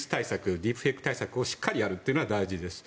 ディープフェイク対策をしっかりやるというのが大事です。